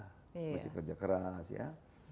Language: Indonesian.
mesti kerja keras ya